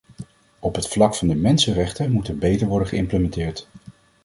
Op het vlak van de mensenrechten moet er beter worden geïmplementeerd.